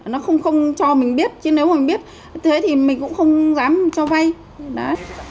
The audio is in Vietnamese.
nó không cho mình biết chứ nếu mình biết thế thì mình cũng không dám cho vay đấy